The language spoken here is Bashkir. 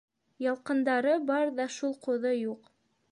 — Ялҡындары бар ҙа шул ҡуҙы юҡ...